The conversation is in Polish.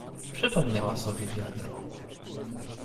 "Przypomniała sobie wiadro."